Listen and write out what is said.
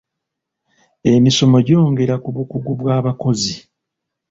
Emismo gyongera ku bukugu bw'abakozi.